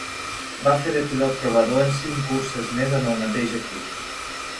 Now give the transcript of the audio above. Va fer de pilot provador en cinc curses més amb el mateix equip.